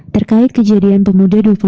terkait kejadian pemuda